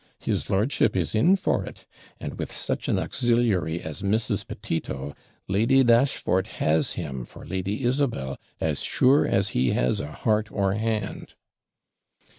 His lordship is in for it, and with such an auxiliary as Mrs. Petito, Lady Dashfort has him for Lady Isabel, as sure as he has a heart or hand.'